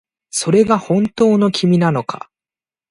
それが本当の君なのか